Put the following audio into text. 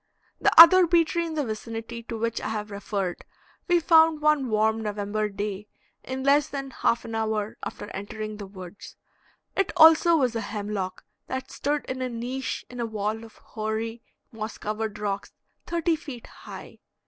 The other bee tree in the vicinity, to which I have referred, we found one warm November day in less than half an hour after entering the woods. It also was a hemlock, that stood in a niche in a wall of hoary, moss covered rocks thirty feet high.